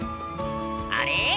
あれ？